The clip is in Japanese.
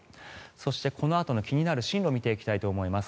そして、このあとの気になる進路を見ていきたいと思います。